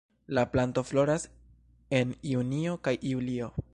La planto floras en junio kaj julio.